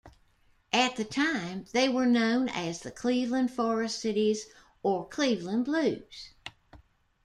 At the time, they were known as the Cleveland Forest Citys or Cleveland Blues.